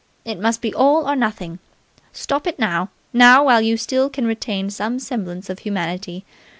It must be all or nothing. Stop it now now, while you still retain some semblance of humanity.